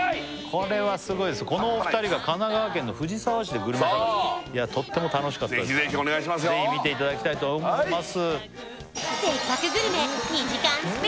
これはすごいですこのお二人が神奈川県の藤沢市でグルメ探しとっても楽しかったですからぜひ見ていただきたいと思います